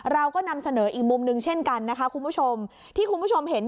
เราก็นำเสนออีกมุมหนึ่งเช่นกันนะคะคุณผู้ชมที่คุณผู้ชมเห็น